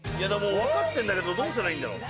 分かってるんだけどどうしたらいいんだろう？